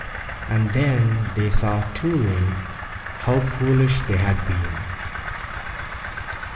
And then they saw too late how foolish they had been.